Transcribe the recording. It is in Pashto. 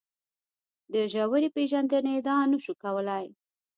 د ژورې پېژندنې ادعا نه شو کولای.